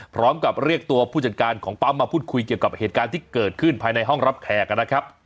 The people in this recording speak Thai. พร้อมกับเรียกตัวผู้จัดการของปั๊มมาพูดคุยเกี่ยวกับเหตุการณ์ที่เกิดขึ้นภายในห้องรับแขกนะครับ